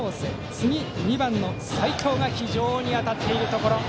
続いて、２番の齋藤が非常に当たっているところ。